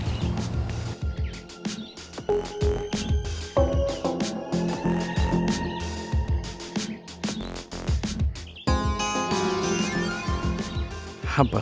tapi ini adalah suatu perubahan